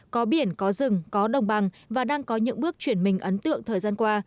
có biển có rừng có đồng bằng và đang có những bước chuyển mình ấn tượng thời gian qua